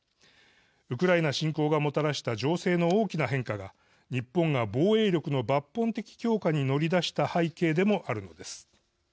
ウクライナ侵攻がもたらした情勢の大きな変化が日本が防衛力の抜本的強化に乗り出した背景でもあるのです。